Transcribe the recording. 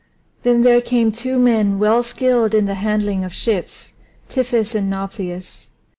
Then there came two men well skilled in the handling of ships Tiphys and Nauplius.